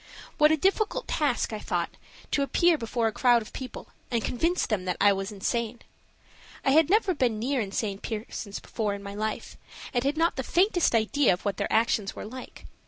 What a difficult task, I thought, to appear before a crowd of people and convince them that I was insane. I had never been near insane persons before in my life, and had not the faintest idea of what their actions were like.